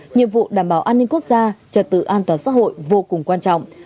nhiệm vụ đảm bảo an ninh quốc gia trật tự an toàn xã hội vô cùng quan trọng